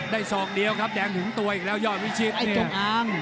ได้สอกเดียวครับแดงหุงตัวอีกแล้วยอดวิชิตเนี่ยไอ้จงอาง